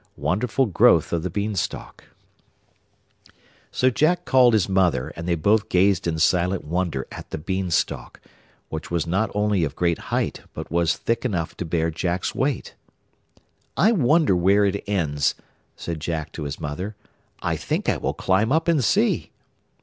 WONDERFUL GROWTH OF THE BEANSTALK So Jack called his mother, and they both gazed in silent wonder at the Beanstalk, which was not only of great height, but was thick enough to bear Jack's weight. 'I wonder where it ends,' said Jack to his mother; 'I think I will climb up and see.